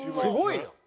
すごいよ。